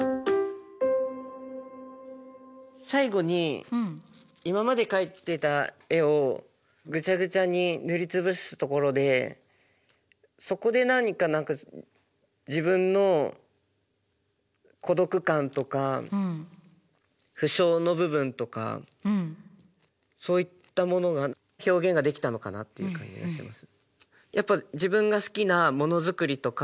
最後に今まで描いてた絵をぐちゃぐちゃに塗り潰すところでそこで何か自分の孤独感とか不詳の部分とかそういったものが表現ができたのかなっていう感じがします。